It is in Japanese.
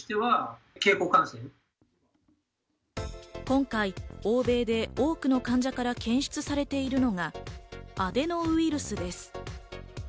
今回、欧米で多くの患者から検出されているのがアデノウイルスです。